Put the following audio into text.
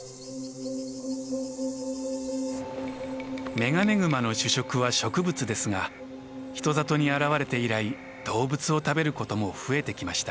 メガネグマの主食は植物ですが人里に現れて以来動物を食べることも増えてきました。